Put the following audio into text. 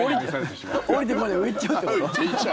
下りてこないで上行っちゃうってこと？